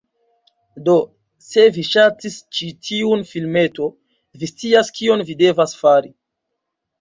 Do se vi ŝatis ĉi tiun filmeton, vi scias kion vi devas fari: